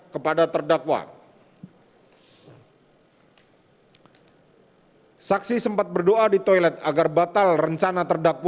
kemudian terdakwa menyuruh saksi mengambil senjata hs itu di dashboard dan saksi taruh di atas di tas tumbuh